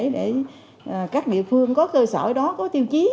để các địa phương có cơ sở đó có tiêu chí